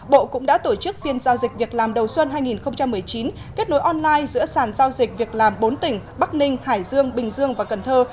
bộ cũng đã tổ chức phiên giao dịch việc làm đầu xuân hai nghìn một mươi chín kết nối online giữa sàn giao dịch việc làm bốn tỉnh bắc ninh hải dương bình dương và cần thơ